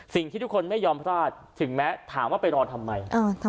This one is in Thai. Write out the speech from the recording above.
สิ่งที่ทุกคนไม่ยอมพลาดถึงแม้ถามว่าไปรอทำไม